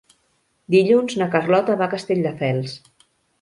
Dilluns na Carlota va a Castelldefels.